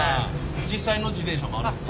実際の自転車もあるんですか？